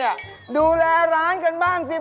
ทำไมไมไมดูแลความสะอาดร้านกันบ้างเนี่ย